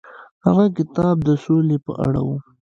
هغه کتاب د سولې په اړه و.